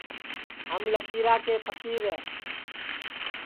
ہم لکیرا کے پھکیر ہے